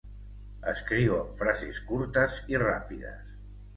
Escriu amb frases curtes i ràpides.